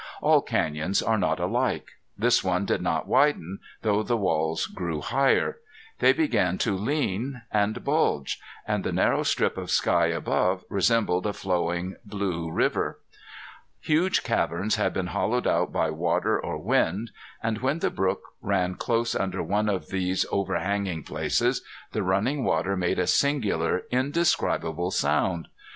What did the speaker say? All canyons are not alike. This one did not widen, though the walls grew higher. They began to lean and bulge, and the narrow strip of sky above resembled a flowing blue river. Huge caverns had been hollowed out by water or wind. And when the brook ran close under one of these overhanging places the running water made a singular indescribable sound.